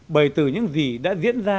bởi từ những gì đã diễn ra